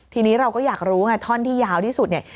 ทีนี้เราก็อยากรู้ไงท่อนที่ยาวที่สุดเนี่ย